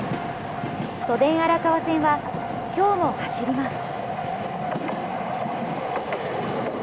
都電荒川線はきょうも走ります。